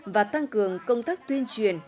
và tăng cường công tác tuyên truyền